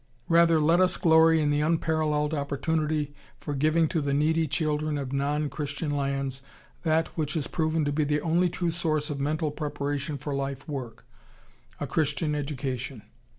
Rather let us glory in the unparalleled opportunity for giving to the needy children of non Christian lands that which has proven to be the only true source of mental preparation for life work, a Christian education.